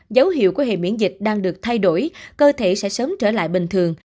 dấu hiệu của hệ miễn dịch đang được thay đổi cơ thể sẽ sớm trở lại bình thường